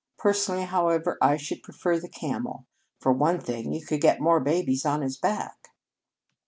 Personally, however, I should prefer the camel. For one thing, you could get more babies on his back."